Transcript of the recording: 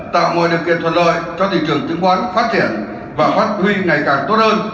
tạo mọi điều kiện thuận lợi cho thị trường chứng khoán phát triển và phát huy ngày càng tốt hơn